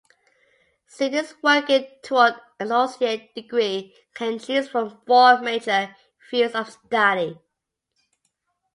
Students working toward an associate degree can choose from four major fields of study.